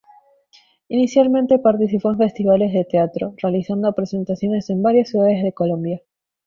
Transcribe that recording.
Inicialmente participó en festivales de teatro, realizando presentaciones en varias ciudades de Colombia.